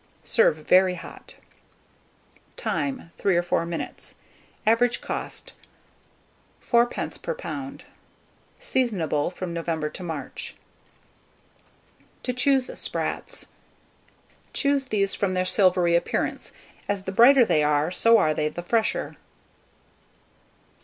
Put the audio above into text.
Serve very hot. Time, 3 or 4 minutes. Average cost, 1d. per lb. Seasonable from November to March. TO CHOOSE SPRATS. Choose these from their silvery appearance, as the brighter they are, so are they the fresher.